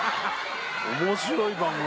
面白い番組。